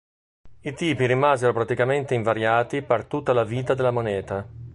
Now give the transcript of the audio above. I tipi rimasero praticamente invariati per tutta la vita della moneta.